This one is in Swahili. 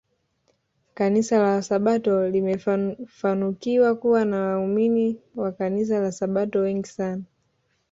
Kanisa la wasabato limefanukiwa kuwa na waumini wa kanisla la Sabato wengi sana